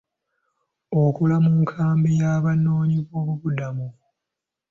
Okola mu nkambi y'Abanoonyiboobubudamu?